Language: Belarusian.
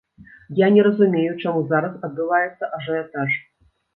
Я не разумею, чаму зараз адбываецца ажыятаж.